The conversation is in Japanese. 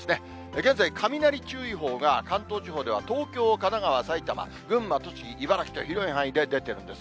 現在、雷注意報が、関東地方では東京、神奈川、埼玉、群馬、栃木、茨城と、広い範囲で出てるんです。